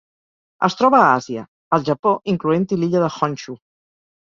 Es troba a Àsia: el Japó, incloent-hi l'illa de Honshu.